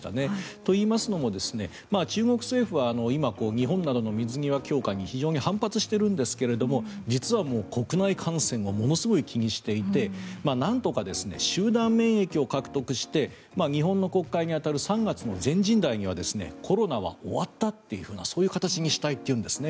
といいますのも、中国政府は今、日本などの水際強化に非常に反発しているんですが実は国内感染をものすごい気にしていてなんとか集団免疫を獲得して日本の国会に当たる３月の全人代にはコロナは終わったというふうなそういう形にしたいというんですね。